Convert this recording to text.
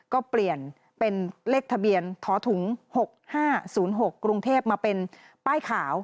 ก็เปลี่ยนเป็นเลขทะเบียนท้อถุง๖๕๐๖กรุงเทพมาเป็นป้ายขาว